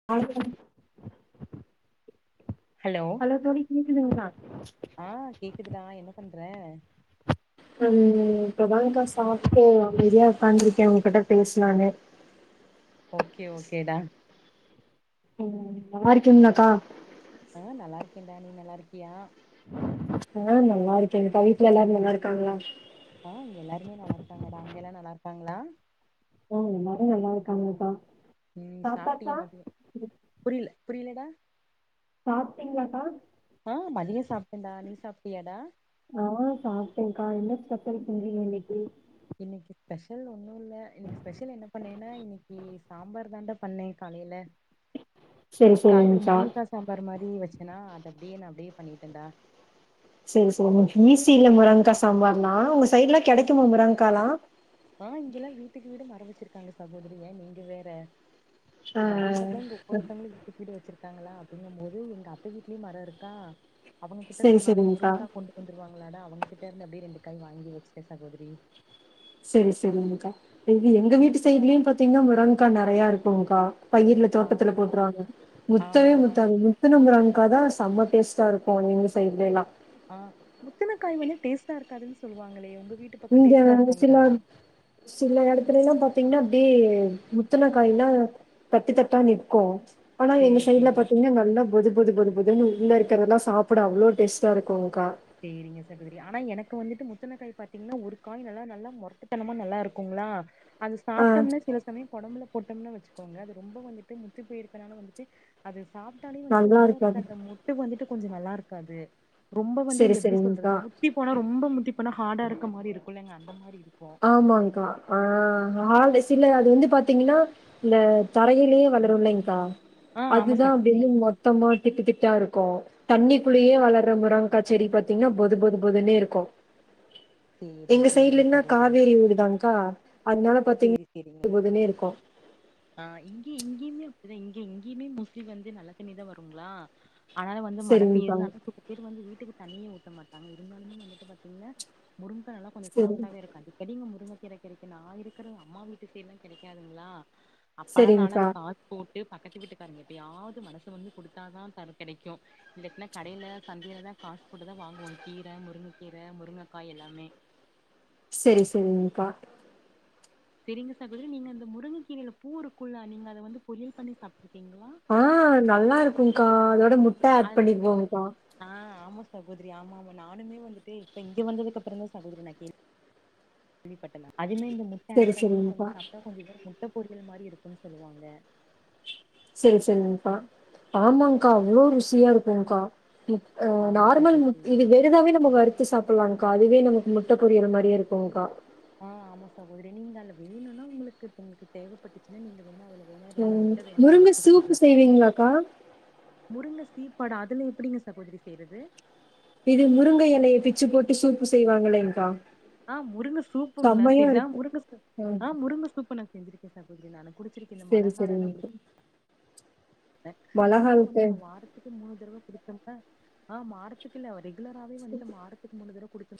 [unintelligible] Hello தோழி கேக்குதுங்ளா ஆ கேக்குதுடா என்ன பண்ற ம் இப்பதாங்கா சாப்ட்டு அமைதியா உக்கார்ந்திருக்கே உங்ககிட்ட பேசலானு ஓகே ஓகேடா நல்லா இருக்கீங்ளாக்கா ஆ நல்லா இருக்கேன்டா நீ நல்லா இருக்கியா ஆ நல்லா இருக்கேங்க்கா வீட்ல எல்லாரு நல்லா இருக்காங்களா ஆ இங்க எல்லாருமே நல்லா இருக்காங்கடா அங்க எல்லா நல்லா இருக்காங்களா ஆ எல்லாரு நல்லா இருக்காங்கக்கா நீ சாப்டியா சாப்ட்டாச்சா மதிய புரியல புரியலடா சாப்ட்டீங்களாக்கா ஆ மதிய சாப்டண்டா நீ சாப்டியாடா ஆ சாப்ட்டேங்கா என்ன ஸ்பெஷல் செஞ்ஜிங்க இன்னைக்கி இன்னைக்கி ஸ்பெஷல் ஒன்னு இல்ல இன்னைக்கி ஸ்பெஷல் என்ன பண்ணேனா இன்னைக்கி சாம்பார் தாண்டா பண்ணே காலையில சரி கா இது சரிங்க்கா முருங்கா சாம்பார் மாரி வச்சனா அத அப்டியே நா அப்டியே பண்ணிட்டேன்டா செரி செரி ஈசியில முருங்கா சாம்பார்லா உங்க சைடுலா கிடைக்குமா முரங்காலா ஆ இங்கெல்லா வீட்டுக்கு வீடு மர வச்சிருக்காங்க சகோதரி ஏ நீங்க வேற ஆ மரங்களே இங்க ஒவ்வொருத்தவுங்களு வீட்டுக்கு வீடு வச்சிருக்காங்களா அப்படிங்கும் போது எங்க அத்த வீட்லயு மரோ இருக்கா அவங்க கிட்ட சரி சொன்னாலே சரிங்க்கா முருங்காக் கொண்டு வந்துருவாங்களாடா அவங் கிட்ட இருந்து அப்டியே ரெண்டுக்காய் வாங்கி வச்சுட்டே சகோதரி செரி செரிங்கா இது எங்க நீ வீட்டு சைட்லயு பாத்தீங்ன்னா முருங்கா நெறயா இருக்குங்கா பயிர்ல ஆ தோட்டத்துல போட்ருவாங்க ஆமா முத்தவே ஆமா முத்தாதுங் முத்துன முருங்க்காதான் செம்ம டேஸ்ட்டா இருக்கும் எங்க சைட்ல எல்லாம் ஆ முத்துனக்காய் வந்து டேஸ்ட்டா இருக்காதுன் சொல்லுவாங்களே உங்க வீட்டுப் இங்க ஒரு சில சில எடத்துல எல்லாம் பாரத்தீங்ன்னா அப்டியே முத்துனக் காய்ல்லா தட்டு தட்டா நிக்கோம் ஆனா எங்க சேரி சைட்ல சேரிங்க பாத்தீங்ன்னா நல்லா பொது பொது பொது பொதுன்னு உள்ள இருக்கிறல்லாம் சாப்பிட அவ்வளோ டேஸ்ட்டா இருக்குங்க்கா சேரிங்க சகோதரி ஆனா எனக்கு வந்துட்டு முத்துனக்காய் பாத்தீங்ன்னா ஒரு காய் நல்லா நல்லா மொரட்டுத்தனமா நல்லா இருக்குங்களா அது ஆ சாப்ட்டோம்னா சில சமயம் கொழம்புலப் போட்டோம்னா வச்சுக்கோங்க அது ரொம்ப வந்துட்டு முத்திப் போயிருக்கனாலும் வந்துட்டு அது சாப் ட்டாலே வந்துட்டு நல்லா உள்ள இருக்காது இருக்காத மொட்டு வந்துட்டு கொஞ்சம் நல்லா இருக்காது ரொம்ப வந்து சரி இத எப்டி சொல்றது சரிங்க்கா முத்திப் போனா ரொம்ப முட்டிப் போனா ஹார்டா இருக்க மாரி இருக்குல்லங்க அந்த மாரி இருக்கும் ஆமாங்க்கா ஆ ஹார்டு சில அது வந்து பாத்தீங்கன்னா இந்த தரகருலே வளருல்லைங்க்கா ஆ ஆமா அதுதான் அப்டி சகோதரி வந்து மொத் தமா திட்டு திட்டா இருக்கோ தண்ணிக்குள்ளேயே வளர்ர முருங்காச்செடி பாத்தீங்ன்னா பொது பொது பொதுன்னே இருக்கும் சேரிங்க எங்க சேரிங்க சைட்லனா சகோதரி காவேரி ஓடுதாங்க்கா அதுனாலப் சேரி செரிங்க ஆ இங்கே இங்கேயுமே அப்டிதா இங்க இங்கேயுமே மோஸ்லி வந்து நல்ல தண்ணிதான் வருங்ளா ஆனாலு வந்து மழ சரிங்க்கா பெய்றனால சில பேர் வந்து வீட்டுக்கு தண்ணியே ஊத்த மாட்டாங்க இருந்தாலுமே வந்துட்டு பாத்தீங்ன்னா முருங்கா நல்லா கொஞ்சம் சரி சாஃப்டாவே இருக்கும் அடிக்கடி இங்க முருங்க கீரை கிடைக்கு நா இருக்கிற அம்மா வீட்டு சைட்லா கெடைக்காதுங்களா அப்பால நாலு அத சரிங்க்கா காசு போட்டு பக்கத்து வீட்டுக்காரங்க எப்பயாது மனசு வந்து கொடுத்தாதா தர் கெடைக்கும் இல்லட்னா கடையில சந்திலதா காசு போட்டு தான் வாங்குவோம் கீர முருங்கக்கீர முருங்கக்காய் எல்லாமே செரி செரிங்க்கா செரிங்க சகோதரி நீங்க இந்த முருங்க கீரயில பூ இருக்குள்ள நீங்க அத வந்து பொரியல் பண்ணி சாப்ட்டுருக்கீங்களா ஆ நல்லா இருக்குங்கா அதோட முட்ட ஆட் அதுல வந்து பண்ணிப் போங்க்கா ஆ ஆமா சகோதரி ஆமா ஆமா நானுமே வந்துட்டு இப்ப இங்க வந்தது அப்புறம் தான் சகோதரி நா கேள் விப்பட்ட அதுவுமே இந்த முட்ட ஆட் சரி பண்ணி சரிங்க்கா கொஞ்சம் சாப்ட்டா கொஞ்சம் இத முட்ட பொரியல் மாரி இருக்கும்ன்னனு சொல்லுவாங்க செரி செரிங்கப்பா ஆமாங்கா அவ்ளோ ருசியா இருக்குங்கா அ ஆமா நார்மல் மு சகோதரி இது வெறு இதாவே நம்ம வரு த்து சாப்லாங்கா அதுவே நமக்கு முட்ட பொரியல் மாரியே இருக்கும்கா ஆ ஆமாா சகோதர நீங்க அதுல வேணும்னா உங்ளுக்கு உங்ளுக்கு தேவப்பட்டுச்சுன்னா நீங்க வேணா அதுல வேணா ரெண்டு முட்ட வேணா முருங்க ஒடச்சு சூப்பு ஊத்திக்கலா செய்வீங்களாக்கா முருங்க சீப்பாடா அதுல எப்டிங்க சகோதரி செய்றது இது முருங்க எலைய பிச்சு போட்டு சூப்பு செய்வாங்களேன்கா ஆ முருங்க சூப்புங்களா செரி ஆ முருங்க சூப் ம் ஆ முருங்க சூப் நா செஞ்சிரு க்கே சகோதரி நானு குடிச்சிருக்கே இந்த சரி மழ காலோனா சரிங்க. குடி இந்த சூப்ப மழகாலத்து வந்து நம்ம வாரத்துக்கு மூனு தடவ குடிச்சோம்னா ஆ வாரத் த்துகல்ல ரெகுலராவே வந்துட்டு வாத்துக்கு மூனு தடவ குடிச்சு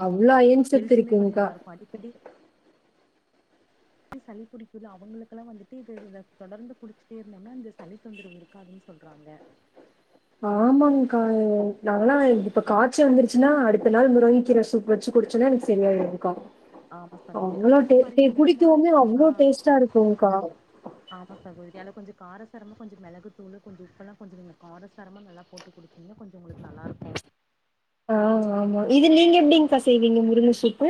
ஆம்பா அவ்ளோ அயன் சத்து ஹெல்த்துமே கொஞ்சம் இருக்குங்க்கா. நார்ம அடிக்கடி சளி புடிக்குது அவுங்களுக்கெல்லாம் வந்துட்டு இது தொடர்ந்து குடிச்சுட்டே இருந்தோம்னா இந்த சளி தொந்தரவு இரு க்காதுன்னு சொல்றாங்க ஆமாங்கா நாங்கல்லாம் இப்ப காய்ச்சி வந்துருச்சுன்னா அடுத்த நாள முருங்கக் கீர சூப் வச்சு குடிச்சோன்னா எனக்கு சரியாயிரும் கா ஆமா சகோதரி அவ்ளோ ஆனா டேஸ்டி பாருங்க இந்த புடிக்கு மாரி ஆ அவ்ளோ டேஸ்ட்டா இருக்குகா ஆமா சகோதிரி அதுல கொஞ்ச காரசாரமா கொஞ்ச மெளகு தூளு கொஞ்ச உப்பெல்லா கொஞ்ச நீங்க காரசாரமா நல்லா போட்டு குடிச்சு இன்னு கொஞ்ச உங்களுக்கு நல்லாருக்கு ஆ ஆமா இது நீங்க எப்டிங்க்கா செய்வீங்க முருங்க சூப்பு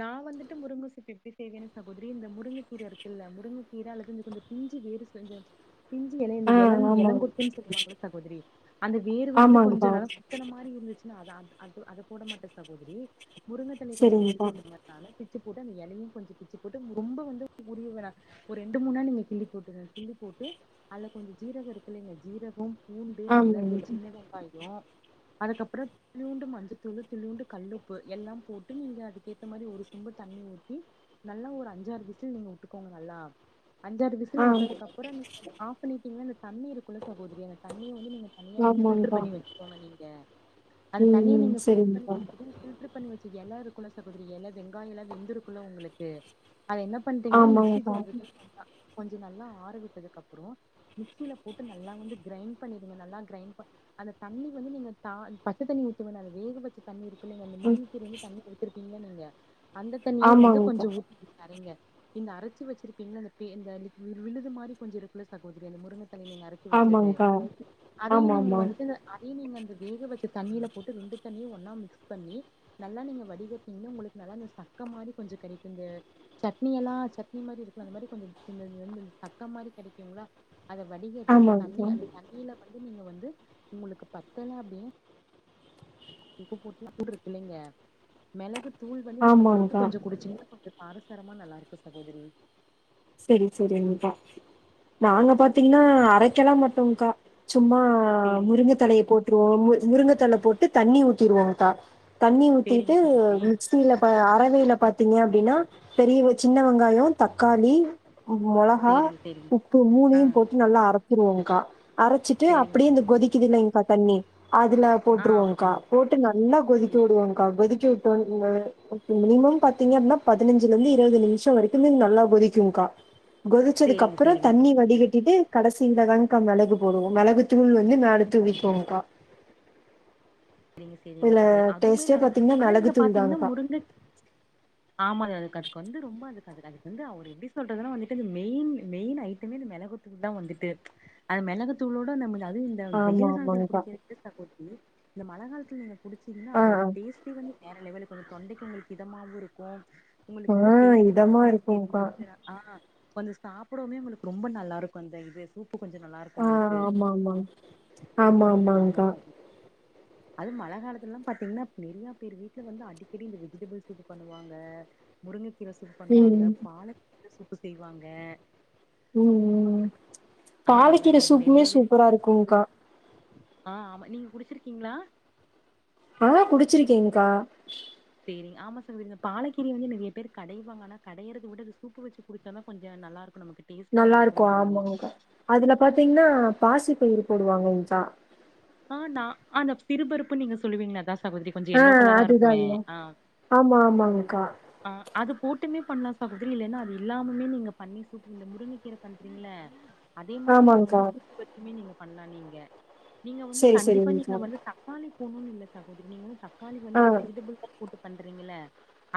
நா வந்துட்டு முருங்க சூப் எப்டி செய்வேன் சகோத்ரி இந்த முருங்க கீர இருக்குல்ல முருங்ககீர அல்லது கொஞ்ச பிஞ்சு வேறு கொஞ்சொ பிஞ்சி ஆ எலைல எல எள ஆமா. கொத்துன்னு சொல்லுவாங்கள்ள சகோதரி அந்த வேர் வந்து கொஞ்ச ஆமாங்க்கா. நல்லா முத்துன மாரி இருந்துச்சு நா அத அத போட மாட்ட சகோதரி முருங்க தழய கொஞ்ச பி சரிங்கக்கா. நாளா பிச்சு போட்டு அந்த எலையு கொஞ்ச பிச்சு போட்டு ரொம்ப வந்து உரிய வேணா ஒரு ரெண்டு மூணு நாள் நீங்க கிள்ளி போட்டு கிள்ளி போட்டு அதுல கொஞ்சொ ஜீரகர்க்கில்லங்க ஜீரகம் பூண்டு மெளகு ஆமாங்க. சின்ன வெங்காயொ அதுக்கப்பறொ த்தணூண்டு மஞ்சத்தூளு துளியூண்டு கல்லுப்பு எல்லா போட்டு நீங்க அது கேத்த மாரி ஒரு சொம்பு தண்ணி ஊத்தி நல்லா ஒர் அஞ்சாறு வீசில் நீங்க விட்டுக்கோங்க நல்லா அஞ்சாறு விசில் ஆ விட்டதுக்கப்றொ நீங்க ஆஃப் பண்ணிட்டீங்கன்னா இந்த தண்ணி இருக்குள்ள சகோதரி அந்த தண்ணிய வந்து நீங்க தனியா வந்து பில்டர் ஆமாங்க்கா. பண்ணி வச்சுகோங்க நீங்க அந்த ம், தண்ணிய ம். நீங்க பில்டர் சரிங்கக்கா. பண்ணி [inaudible] பண்ணி வச்சு எல இருக்குல சகோதரி எல வெங்காயல்லா வெந்து ருக்குல உங்களுக்கு அது என்ன பண்ணிட்டீங்கன்னா மிக்சி ஆமாங்க்கா. ஜார் ருக்கில்ல கொஞ்ச நல்லா ஆற விட்டதுக்கப்றொ மிக்சில போட்டு நல்லா வந்து கிரைண்ட் பண்ணிருங்க நல்லா கிரைண்ட் அந்த தண்ணி வந்து நீங்க பச்ச தண்ணி ஊத்த வேணா அத வேக வச்ச தண்ணி இருக்கில்லங்க அந்த முருங்கக்கீர வந்து தண்ணி எடுத்திருக்கீங்க நீங்க அந்த தண்ணியே வந்து ஆமாங்க்கா. கொஞ்ச சரிங்க நீங்க அரச்சு வச்சிருப்பீங்கல அந்த பே விழுது மாரி கொஞ்ச இருக்குள்ள சகோதரி முருங்க தலய நீங்க அர வச்சது ஆமாங்க்கா. அதையு நீங்க ஆமாமா. வந்துட்டு அத நீங்க அந்த வேக வச்ச தண்ணியில போட்டு ரேண்டு தண்ணியு ஒன்னா மிக்ஸ் பண்ணி நல்லா நீங்க வடிக இன்னு உங்களுக்கு நல்லா அந்த சக்க மாரி கொஞ்ச கெடைக்குங்க சட்னி எல்லா சட்னி மாரி இருக்கு அந்த மாரி கொஞ்ச இந்த சக்க மாரி கெடைக்குங்ளா அத வடிகட்டி அந்த தண்ணி ஆமாங்க்கா. அந்த தண்ணியில வந்து நீங்க வந்து உங்களுக்கு பத்தல அப்டி போட்ட கூடு இருக்கில்லங்க மெளகு தூள் வந்து நீங்க போட்டு ஆமாங்க்கா. கொஞ்ச குடிச்சீங்கன்னா காரசாரமா நல்லா ருக்கு சகோதரி சரி சரிங்கா நாங்க பாத்தீங்னா அரக்கெல்லா மட்டோங்க்கா சும்மா ஆ சேரிங்க முருங்க தலய போட்ருவோ மு முருங்கத்தழ போட்டு தண்ணி ஊத்திருவோங்க்கா தண்ணி ஊத்திட்டு சேரிங்க சகோதரி மிக்ஸ் அறவேல பாத்தீங்க அப்டின்னா பெரிய சின்ன வெங்காய தக்காளி மொளகா சேரிங்க சேரிங்க உப்பு ஆ மூனையும் போட்டு நல்லா அரத்துருவோங்க்கா அரைச்சிட்டு சேரிங்க அப்டியே இந்த சகோதரி கொதிக்குதிலேங்கா தண்ணி அதுல ஆ ஆமா போட்ருவோங்கா சகோதரி போட்டு நல்லா கொதிக்க விடுவோங்க்கா கொதிக்க விட்டோனே மினிமம் பாத்தீங்கன்னா பதினஞ்சுலருந்து இருபது நிமிஷ வரைக்கு நல்லா கொதிக்குங்கா சேரிங்க கொதிச்சதுக்கப்பறொ சேரிங்க தண்ணி சகோதரி வடிகட்டிட்டு கடைசிலதான்கா மெளகு போடுவோ மெளகு தூள் வந்து மேல தூவிக்குவோங்கா சரிங்க சரிங்க இதுல சகோத்ரி அதுவ்மே டேஸ்ட்டே நல்லா பாத்தீங்கன்னா ஆனா மிளகு நீங்க தூள் பாத்தீங்ன்னா தான்கா முருங்க ஆமா அது அதுக்கு அதுக்கு வந்து ரொம்ப அதுக்குது அது வந்து அவ எப்டி சொல்றது வந்துட்டு மெயின் மெயின் ஐட்டமே இந்த மெளகு தா வந்துட்டு அந்த மெளகு தூளோட நம்ம அது இந்த ஆமா வெயில் காலத்துல ஆமாங்க்கா குடிக்கிறதுக்கு கொட்டி இந்த மழ காலத்துல நீங்க குடிச்சீங்னா ஆ அதோட டேஸ்டே வந்து வேற லெவலுக்கு கொஞ்ச தொண்டக்கி உங்களுக்கு இதமாவு இருக்கு ஆ உங்களுக்கு வந்து ஆ டேஸ்ட் இதமா வெய்ஸுமே சரி இருக்கும்க்கா கொஞ்ச ஆ கொஞ்சம் சாப்பிடமே உங்களுக்கு ரொம்ப நல்லா இருக்கும் அந்த இது சூப்பு கொஞ்சம் நல்லாயிருக்கும் ஆ உங்களுக்கு ஆமா ஆமாங் ஆமா ஆமா ஆமாங்க்கா சகோ அது மழை காலத்துல எல்லாம் பாத்தீங்கன்னா நறைய பேர் வீட்ல வந்து அடிக்கடி இந்த வெஜிடபிள்ஸ்சூப்பு பண்ணுவாங்க முருங்கை கீர சூப்பு ம் பண்ணுவாங்க பால கீர சூப்பு செய்வாங்க ம் ம் ஆனா எல்லா பாலக்கீரை நெ சூப்புமே நெறைய பேருக்கு சூப்பரா இருக்கும்க்கா ஆ ஆமா நீங்க குடிச்சிருக்கீங்களா ஆ குடிச்சிருக்கேங்க்கா சேரி ஆமா சகோதரி இந்த பாலக்கீரைய வந்து நறைய பேர் கடைவாங்க ஆனா கடையறத விட அது சூப்பு வச்சு குடுச்சாதான் கொஞ்சம் நல்லா இருக்கும் நமக்கு டேஸ்ட்டாவும் நல்லா இருக்கு இருக்கும்பாங்க ஆமாங்க்கா அதுல பாத்தீங்கன்னா பாசி பயிர் போடுவாங்கச்சா ஆ நான் அந்த சிறுபறுப்பு நீங்க சொல்லுவீங்களா அத சகோதிரி கொஞ்சோ ஆ எல்லோ கலரா அதுதா இருக்குமே அதுதா ஆ ஆமா ஆமாங்க்கா ஆ அது போட்டுமே பண்ணலாம் சகோதரி இலைன்னா அது இல்லாமலே நீங்க பண்ணி சூப்ப இந்த முருங்கை கீரை பண்ணுறீங்கள அதே மாரி நீங்க ஆமாங்க்கா வந்து சூப்பு வச்சுமே நீங்க பண்ணலாம் நீங்க நீங்க வந்து சரி கண்டிப்பா நீங்க சரிங்க்கா வந்து தக்காளி போகணும்னு இல்ல சகோதரி நீங்க வந்து தக்காளி ஆ வந்து ஆ இந்த வெஜிடேபிள் தக் பண்றீங்கள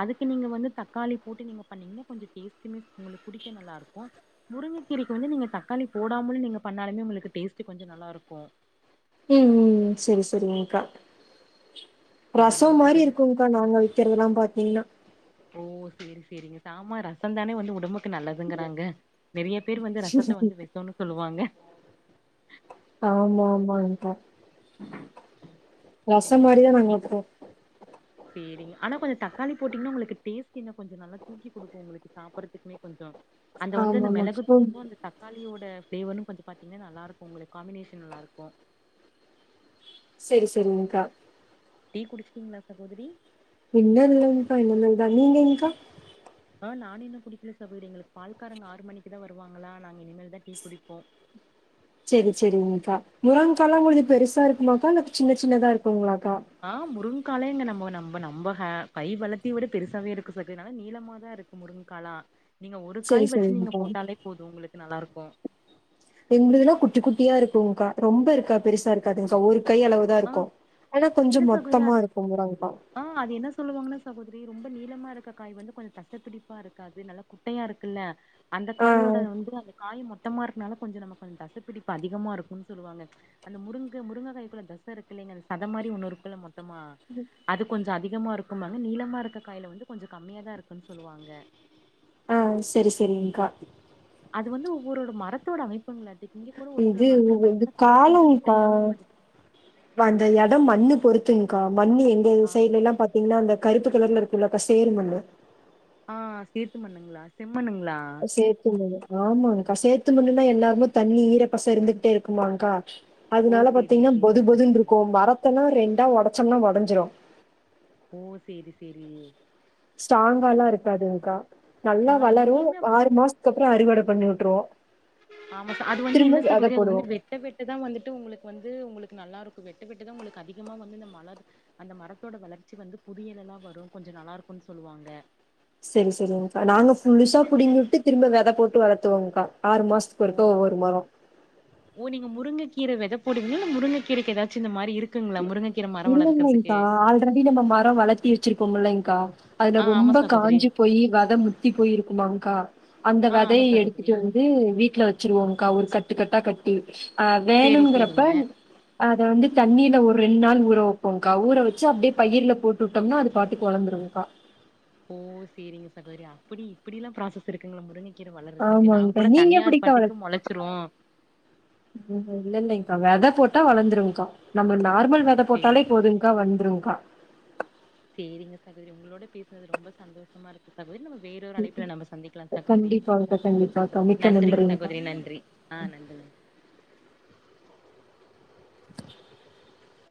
அதுக்கு நீங்க வந்து தக்காளி போட்டு நீங்க பண்ணீங்கன்னா கொஞ்சம் டேஸ்டிமே உங்களுக்கு குடிக்க நல்லா இருக்கும் முருங்கக்கீரைக்கு வந்து நீங்க தக்காளி போடாமலும் நீங்க பண்ணாலுமே உங்களுக்கு டேஸ்ட் கொஞ்சம் நல்லா இருக்கும் ம் ம் ம் செரி செரிங்க்கா ரசம் சேரிங்க மாரி சகோதரி. இருக்கும்க்கா நாங்க வைக்கிறதல்லாம் பாத்தீங்கன்னா ஓ சேரி சேரிங்க சாம ரசம் தானே வந்து உடம்புக்கு நல்லதுங்கறாங்க நிறைய பேர் வந்து ரசத்தை வந்து வெசம்ன்னனு சொல்லுவாங்க ஆமா ஆமா அந்த உ [inaudible] ரசம் மாரியே நாங்க வைப்போம் சேரிங்க ஆனா கொஞ்சம் தக்காளி போட்டீங்கன்னா உங்களுக்கு டேஸ்ட் இன்னும் கொஞ்சம் நல்லா தூக்கி குடுக்கும் உங்களுக்கு சாப்பிடறதுக்குமே கொஞ்சம் அந்த வந்து அந்த ஆமாமா. ம். மிளகுத்தூளுக்கு அந்த தக்காளியோட ஃப்ளேவரு கொஞ்சோ பாத்தீங்கன்னா நல்லாருக்கு உங்களுக்கு காமினேஷன் நல்லாருக்கு செரி செரி உங்கா டீ குடிச்சிட்டீங்களா சகோதரி இன்னும் இல்லங்கா இனிமேல் தான் நீங்கக்கா ஆ நானு இன்னு குடிக்கல சகோதரி எங்களுக்கு பால்காரங்க ஆறு மணிக்கு தா வருவாங்களா நாங்க இனிமே தா டீ குடிப்போ செரி செரிங்கக்கா முருங்க்கலா கொஞ்ச பெருசா இருக்குமாக்கா அ சின்ன சின்னதா இருக்குங்களாக்கா ஆ முருங்காலா இங்க நம்ம நம்ம நம்ம கை வளர்த்தியோட பெருசாவே இருக்கு சகோ நல்லா நீளமா தா இருக்கு முருங்குக்காலா நீங்க ஒரு சரி, காய் வச்சு நீங்க சரிங்கக்கா. போட்டாலே போது உங்களுக்கு நல்லா இருக்கு எங்களுதுல்லா குட்டி குட்டியா இருக்கும்ங்க்கா ரொம்ப இருக்கா பெருசா இருக்காதுங்கக்கா ஒரு கை அளவ் இதா ஆ இருக்கு ஆனா கொஞ்சோ இல்ல சகோதரி மொத்தமா அது இருக்குரங்கக்கா ஆ அது என்ன சொல்லுவாங்கன்னா சகோதரி ரொம்ப நீளமா இருக்க காய் வந்து கொஞ்சோ தசைப்பிடிப்பா இருக்காது நல்லா குட்டையா இருக்குல்ல அந்த ஆ, காயோட வந்து அந்த காய மொத் மொத்தமா இருக்கனால கொஞ்சோ நமக்கு கொஞ் தசைப்பிடிப்பு அதிகமா இருக்கும்னு சொல்லுவாங்க அந்த முருங்க முருங்கக்காய் குள்ள தஸ் சை இருக்கு இலைங்க அந்த சத மாதிரி ஒன்னு இருக்குள்ள மொத்தமா ம் அது கொஞ்ச அதிகமாக இருக்கும்மாங்க நீளமா இருக்க காய்யில வந்து கொஞ்ச கம்மியா தா இருக்குன்னு சொல்லுவாங்க ஆ செரி செரி்ங்கா அது வந்து ஒவ்வொரோட மரத்தோட அமைப்புங்கலாட்டு இங்க கூட ஒரு சில இது மரத்துல இது பாத்தீங்கன்னா காய் கொஞ்சோ காலம்க்கா. குட்டையாவு இருக் அந்த இடம் மண்ணு பொறுத்துங்க்கா மண்ணு எங்க ஆ சைட்ல எல்லா பாத்தீங்கன்னா அந்த கருப்பு கலர்ல இருக்குல அக்கா சேர் மண்ணு ஆ சேத்து மண்ணுங்களா செம்மண்ணுங்களா சேத்து மண்ணு ஆமாங்க்கா சேத்து மண்ணுன்னா எந்நேரமு தண்ணி ஈர பச இருந்துகிட்டே இருக்குமாங்க்கா ஓ அதனால சேரிங்க பாத்தீங்கன்னா சேரிங்க பொதுபொதுன் சகோதரி இருக்கு மரத்தெல்லா ரெண்டா உடச்சோம்னா உடஞ்சிடு ஓ செரி செரி ஸ்ட்ராங்கால்லா இருக்காதுங்க்கா ஆ நல்லா வளரு இங்கேயுமே அப் ஆறு மாசத்துக்கு அப்புற அறுவடை பண்ணி விட்ருவோ ஆமா சார் அது வந்து திரும்ப இல்ல வெத சகோதரி அது போடுவோ. வந்து வெட்ட வெட் வெட்ட தா வந்துட்டு உங்களுக்கு வந்து உங்களுக்கு நல்லா இருக்கும் வெட்ட வெட்டுதா உங்களுக்கு அதிகமா வந்து இந்த மழை அந்த மரத்தோட வளர்ச்சி வந்து புதியல எல்லா வரு கொஞ்ச நல்லா இருக்குன்னு சொல்லுவாங்க செரி செரிங்க்கா நாங்க புதுசா என்ன புடிங்கிட்டு திரும்ப விதை போட்டு வளர்த்துவோங்க்கா ஆறு மாசத்து க்கு ஓ ஒருக்க ஒவ்வொரு மரோ ஓ நீங்க முருங்கக்கீர வித போடுவீங்களா இல்ல முருங்கை கீரைக்கு எதாச்சு இந்த மாரி இருக் இல்லங்கக்கா ஆல்ரெடி நம்ம மரோ வளர்த்தி வச்சிருப்போம் இல்லங்க்கா அதுல ஆ ஆமா ரொம்ப சகோதரி காஞ்சி போயி வெத முத்தி போயிருக்குமாங்க்கா அந்த ஆ ஆமா விதைய எடுத்துட்டு சகோதரி வந்து வீட்ல வெச்சுருவோக்கா ஒரு கட்டு கட்டா கட்டி சேரி வேணுங்கிறப்ப சேரிங்க அத வந்து தண்ணிர் ஒரு ரெண்டு நாள் ஊற வைப்போங்க்கா ஊற வச்சு அப்டியே பயிர்ல போட்டு விட்டோம்னா அது பாட்டுக்கு வளதுருங்க்கா ஓ சேரிங்க சகோதரி அப்டி இப்டி எல்லா ப்ராசஸ் இருக்குங்களா முருங்க கீரை வளறதுக்கு நாங்க ஆமாங்க்கா. கூட நீங்க தனியா அது எப்படிக்கா பாட்டுக்கு வளர்த்துவீங்க? முளைச்சிரு இல்ல இல்லங்கக்கா வெத போட்டா வளர்ந்துருங்க்கா நம்ம நார்மல் வெத சேரி போட்டாலே போதுங்க்கா வந்துருங்க்கா சேரிங்க சகோதரி உங்களோட பேசுனது ரொம்ப சந்தோஷமா இருக்கு சகோதரி நம்ம வேற ஒரு அழைப்புல நம்ம சந்திக்கலா சகோதரி கண்டிப்பாங்க்கா, கண்டிப்பாக்கா. மிக்க நன்றிங்க நன்றிங்க்கா. சகோதரி நன்றி ஆ நன்றி